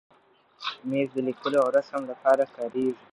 مېز د لیکلو او رسم لپاره کارېږي.